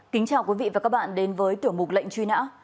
kính chào quý vị và các bạn đến với tiểu mục lệnh truy nã